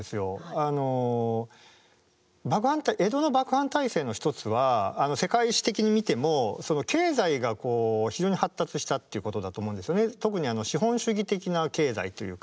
あの江戸の幕藩体制の一つは世界史的に見ても経済が非常に発達したっていうことだと思うんですよね。